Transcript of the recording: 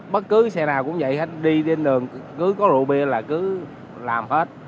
bất cứ xe nào cũng vậy hết đi trên đường cứ có rượu bia là cứ làm hết